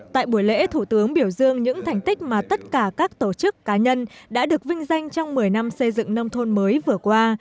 tại buổi lễ thủ tướng biểu dương những thành tích mà tất cả các tổ chức cá nhân đã được vinh danh trong một mươi năm xây dựng nông thôn mới vừa qua